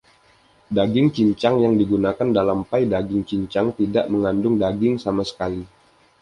Daging cincang yang digunakan dalam pai daging cincang tidak mengandung daging sama sekali